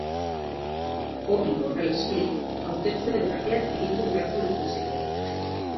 Hori horrela ez balitz, hauteskunde berriak deitu beharko lituzkete.